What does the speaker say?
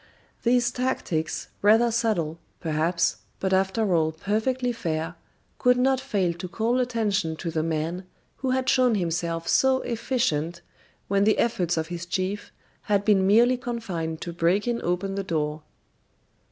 These tactics, rather subtle, perhaps, but after all perfectly fair, could not fail to call attention to the man who had shown himself so efficient when the efforts of his chief had been merely confined to breaking open the door.